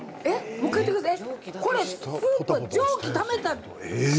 もう１回言ってください。